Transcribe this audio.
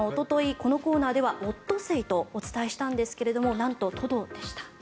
このコーナーではオットセイとお伝えしたんですがなんとトドでした。